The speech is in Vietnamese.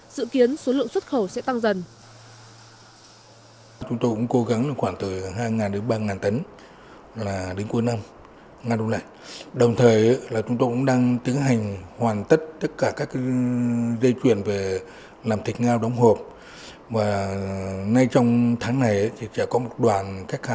dự kiến số lượng xuất khẩu sẽ tăng dần